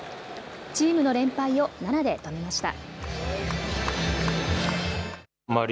チームの連敗を７で止めました。